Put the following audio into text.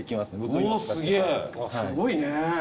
すごいね。